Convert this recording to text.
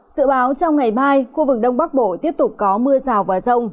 sự báo trong ngày mai khu vực đông bắc bộ tiếp tục có mưa rào và rông